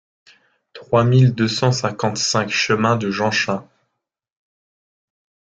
trois mille deux cent cinquante-cinq chemin de Jeanchin